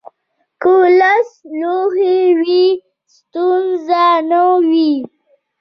که لس لوحې وي، ستونزه نه وي.